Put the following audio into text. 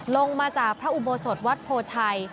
ลงมาจากพระอุโบสถวัดโพชัย